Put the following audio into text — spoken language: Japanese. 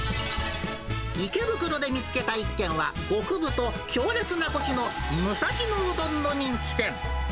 池袋で見つけた一軒は、極太、強烈なこしの武蔵野うどんの人気店。